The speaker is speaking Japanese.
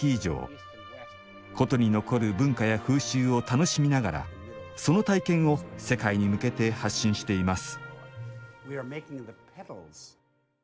古都に残る文化や風習を楽しみながらその体験を世界に向けて発信しています